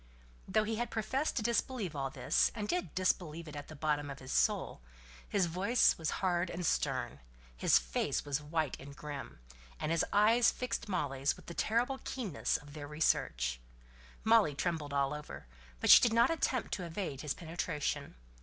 Though he had professed to disbelieve all this, and did disbelieve it at the bottom of his soul, his voice was hard and stern, his face was white and grim, and his eyes fixed Molly's with the terrible keenness of their research. Molly trembled all over, but she did not attempt to evade his penetration.